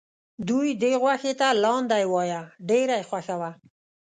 دوی دې غوښې ته لاندی وایه ډېره یې خوښه وه.